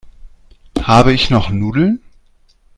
Habe ich noch Nudeln?